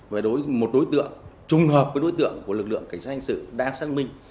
về một đối tượng trung hợp với đối tượng của lực lượng cảnh sát hình sự đang xác minh